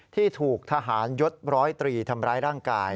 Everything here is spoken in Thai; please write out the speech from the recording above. ที่ถูกทหารยศร้อยตรีทำร้ายร่างกาย